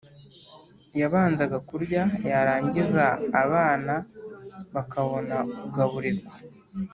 yabanzaga kurya, yarangiza abana bakabona kugaburirwa.